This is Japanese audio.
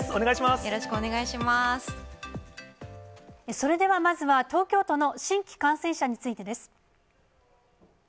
それでは、まずは東京都の新規感染者についてです。